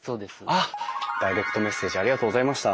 あっダイレクトメッセージありがとうございました。